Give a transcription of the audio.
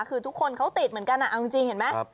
คือทุกคนเขาติดเหมือนกันเอาจริงเห็นไหม